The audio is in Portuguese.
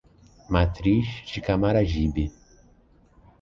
Matriz de Camaragibe